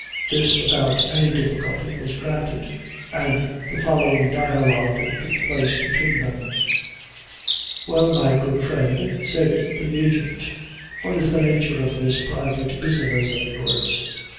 This, without any difficulty, was granted, and the following dialogue took place between them: "Well, my good friend," said the agent; "what is the nature of this private business of yours?"